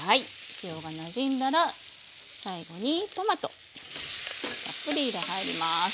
塩がなじんだら最後にトマトたっぷり入ります。